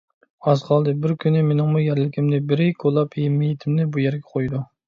ئاز قالدى، بىر كۈنى مېنىڭمۇ يەرلىكىمنى بىرى كولاپ، مېيىتىمنى بۇ يەرگە قويىدۇ.